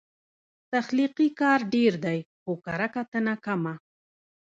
تخلیقي کار ډېر دی، خو کرهکتنه کمه